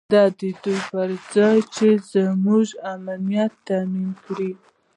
د دې پر ځای چې زموږ امنیت تامین کړي.